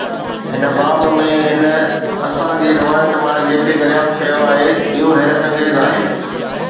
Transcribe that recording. هن باب ۾، هن اسان جي روايت مان جيڪي دريافت ڪيو آهي، اهو حيرت انگيز آهي.